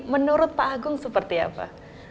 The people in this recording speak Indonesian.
menurut pak agung seperti apa